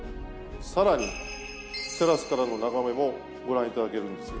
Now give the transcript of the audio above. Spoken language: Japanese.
さらにテラスからの眺めもご覧いただけるんですよ。